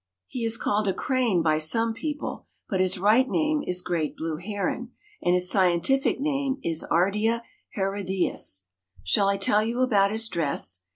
He is called a crane by some people, but his right name is great blue heron, and his scientific name is Ardea herodias. Shall I tell you about his dress?